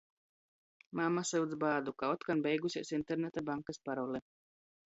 Mama syudz bādu, ka otkon beigusēs interneta bankys parole.